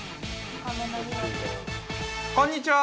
こんにちは。